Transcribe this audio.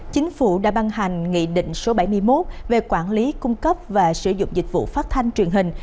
chính phủ đã ban hành nghị định số bảy mươi một về quản lý cung cấp và sử dụng dịch vụ phát thanh truyền hình